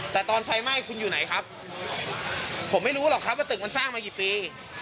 แต่ตอนไฟไหม้คุณอยู่ไหนครับผมไม่รู้หรอกครับว่าตึกมันสร้างมากี่ปี